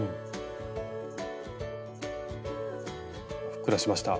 ふっくらしました。